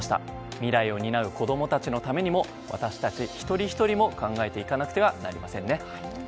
未来を担う子供たちのためにも私たち一人ひとりも考えていかなくてはなりませんね。